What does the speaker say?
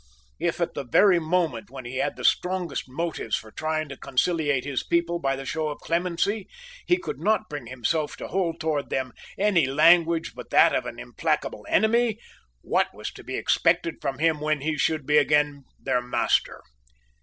If, at the very moment when he had the strongest motives for trying to conciliate his people by the show of clemency, he could not bring himself to hold towards them any language but that of an implacable enemy, what was to be expected from him when he should be again their master?